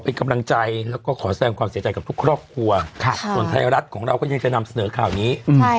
เป็นกำลังใจแล้วก็ขอแสงความเสียใจกับทุกครอบครัวส่วนไทยรัฐของเราก็ยังจะนำเสนอข่าวนี้